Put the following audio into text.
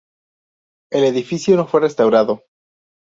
El edificio no fue restaurado.